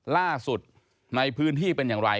ล่าสุดในพื้นที่เป็นอย่างไร